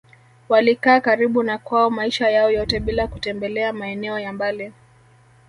Walikaa karibu na kwao maisha yao yote bila kutembelea maeneo ya mbali